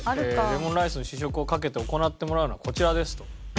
レモンライスの試食をかけて行ってもらうのはこちらですと。